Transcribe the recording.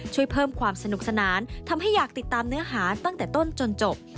ช่วยเพิ่มความสนุกสนานทำให้อยากติดตามเนื้อหาตั้งแต่ต้นจนจบ